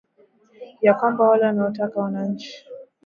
ya kwamba yale wanaotaka wananchi